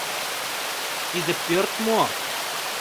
— Тиде пӧрт мо?